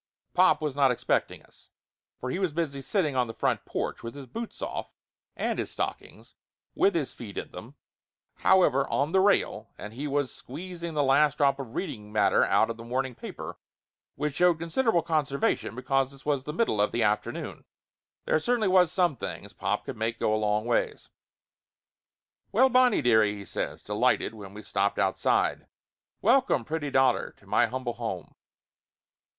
Pop was not expecting us, for he was busy sitting on the front porch with his boots off, and his stockings, with his feet in them, however, on the rail, and he was squeezing the last drop of reading matter out of 284 Laughter Limited the morning paper, which showed considerable conser vation because this was the middle of the afternoon. There certainly was some things pop could make go a long ways. "Well, Bonnie, dearie !" he says, delighted, when we stopped outside. "Welcome, pretty daughter, to my humble home."